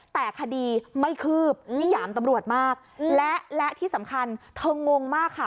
แต่คดีไม่คืบนี่หยามตำรวจมากและและที่สำคัญเธองงมากค่ะ